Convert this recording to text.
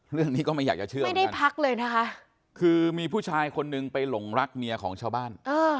เรื่องนี้ก็ไม่อยากเชื่อเหมือนกันนะครับคือมีผู้ชายคนหนึ่งไปหลงรักเมียของชาวบ้าน